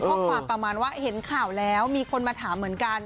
ประมาณว่าเห็นข่าวแล้วมีคนมาถามเหมือนกัน